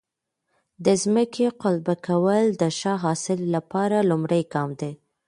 د ځمکې قلبه کول د ښه حاصل لپاره لومړی ګام دی.